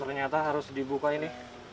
ternyata harus dibuka ini